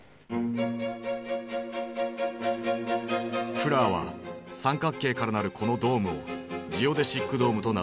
フラーは三角形からなるこのドームをジオデシックドームと名付けた。